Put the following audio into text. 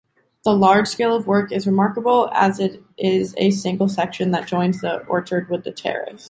The large scale of work is remarkable, as it is a single section that joins the orchard with the terrace.